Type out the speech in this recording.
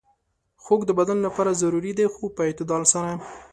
خوږه د بدن لپاره ضروري ده، خو په اعتدال سره.